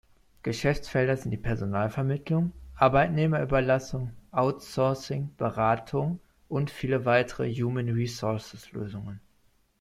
Geschäftsfelder sind die Personalvermittlung, Arbeitnehmerüberlassung, Outsourcing, Beratung und viele weitere Human-Resources-Lösungen.